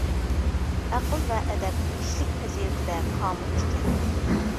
ئەقىل ۋە ئەدەپ، كىشىلىك پەزىلىتىدە كامىل ئىكەن.